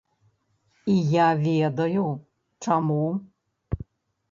І я ведаю, чаму.